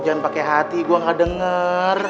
jangan pake hati gue nggak denger